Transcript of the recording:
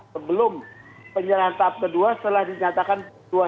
sebelum penyerahan tahap kedua setelah dinyatakan dua puluh satu